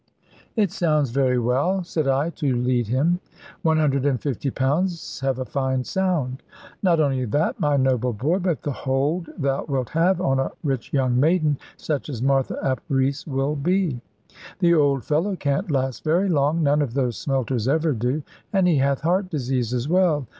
"It sounds very well," said I, to lead him; "one hundred and fifty pounds have a fine sound." "Not only that, my noble boy: but the hold thou wilt have on a rich young maiden, such as Martha ap Rees will be. The old fellow can't last very long: none of those smelters ever do, and he hath heart disease as well.